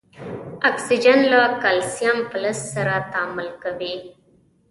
اکسیجن له کلسیم فلز سره تعامل کوي.